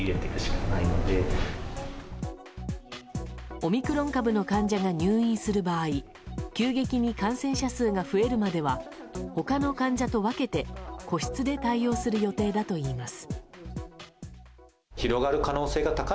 オミクロン株の患者が入院する場合急激に感染者数が増えるまでは他の患者と分けて個室で対応する予定だといいます。